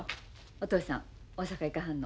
お父さん大阪行かはんの。